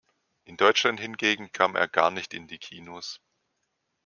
In Deutschland hingegen kam er gar nicht in die Kinos.